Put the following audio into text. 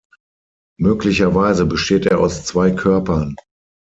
Möglicherweise besteht er aus zwei Körpern.